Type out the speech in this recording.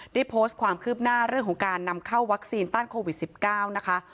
ได้โพสต์ความคืบหน้าเรื่องของการนำเข้าวัคซีนต้านโควิด๑๙นะคะ